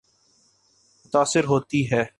متاثر ہوتی ہے۔